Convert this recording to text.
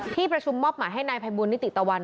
ที่ประชุมมอบหมายให้นายภัยบูลนิติตะวัน